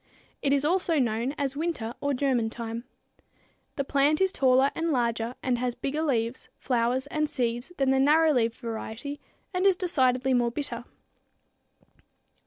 It is also known as winter or German thyme. The plant is taller and larger and has bigger leaves, flowers and seeds than the narrow leaved variety and is decidedly more bitter.